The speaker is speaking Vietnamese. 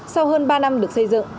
sau hơn ba năm được xây dựng